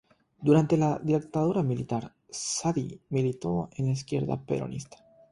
Durante la dictadura militar, Saadi militó en la izquierda peronista.